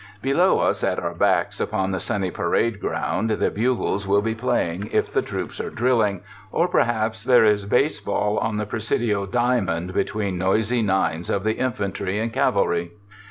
Below us at our backs, upon the sunny parade ground, the bugles will be playing if the troops are drilling, or perhaps there is baseball on the Pre sidio diamond between noisy nines of the infantry and cavalry.